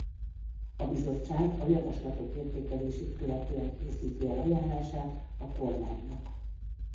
A bizottság a javaslatok értékelését követően készíti el ajánlását a kormánynak.